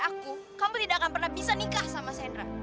aku tidak akan pernah bisa nikah sama sandra